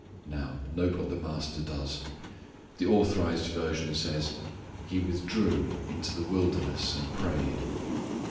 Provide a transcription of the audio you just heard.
Now note what the Master does. The authorized version says, "He withdrew into the wilderness and prayed."